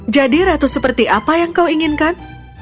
jadi ratu seperti apa yang kau inginkan